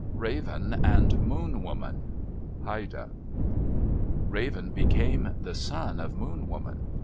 _] RAVEN AND MOON WOMAN Haida Raven became the son of Moon Woman.